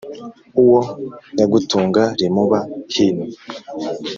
uwo nyagutunga rimuba hino.